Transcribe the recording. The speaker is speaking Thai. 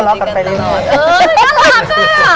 ทะเลาะกันไปเรื่อย